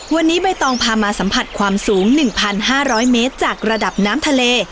วันนี้ใบตองพามาสัมผัสความสูง๑๕๐๐เมตรจากระดับน้ำทะเล